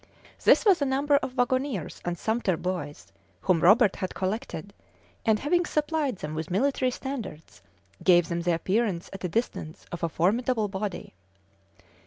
This was a number of wagoners and sumpter boys, whom Robert had collected; and having supplied them with military standards, gave them the appearance at a distance of a formidable body.